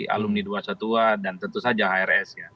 alumni dua satwa dan tentu saja hrs